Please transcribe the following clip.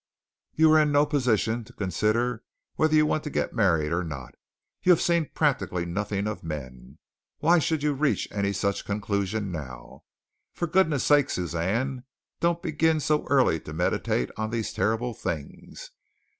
You are in no position to consider whether you want to get married or not. You have seen practically nothing of men. Why should you reach any such conclusions now? For goodness' sake, Suzanne, don't begin so early to meditate on these terrible things.